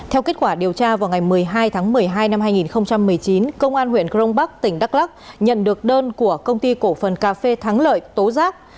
theo kết quả điều tra vào ngày một mươi hai tháng một mươi hai năm hai nghìn một mươi chín công an huyện crong bắc tỉnh đắk lắc nhận được đơn của công ty cổ phần cà phê thắng lợi tố giác